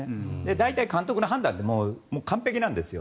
大体、監督の判断って完璧なんですよ。